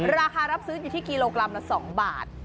รับซื้ออยู่ที่กิโลกรัมละ๒บาท